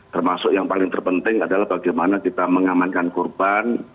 termasuk yang paling terpenting adalah bagaimana kita mengamankan korban